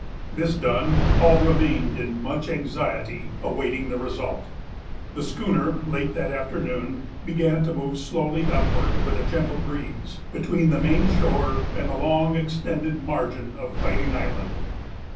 This done, all remained in much anxiety awaiting the result. The schooner, late that afternoon, began to move slowly upward, with a gentle breeze, between the main shore and the long extended margin of Fighting Island.